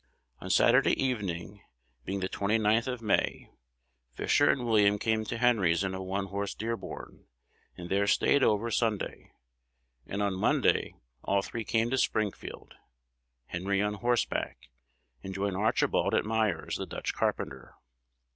On Saturday evening, being the 29th of May, Fisher and William came to Henry's in a one horse dearborn, and there staid over Sunday; and on Monday all three came to Springfield (Henry on horseback), and joined Archibald at Myers's, the Dutch carpenter.